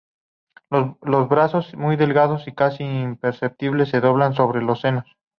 Los brazos, muy delgados y casi imperceptibles, se doblan sobre los senos.